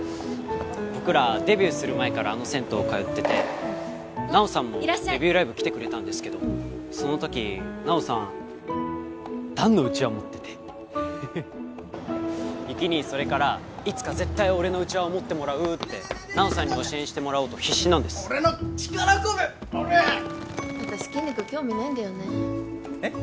僕らデビューする前からあの銭湯通ってて奈緒さんもデビューライブ来てくれたんですけどその時奈緒さん弾のうちわ持っててヘヘ有起兄それから「いつか絶対俺のうちわを持ってもらう」って奈緒さんに推し変してもらおうと必死なんです俺の力こぶおらっ私筋肉興味ないんだよねえっ？